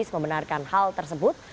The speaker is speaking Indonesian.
membenarkan hal tersebut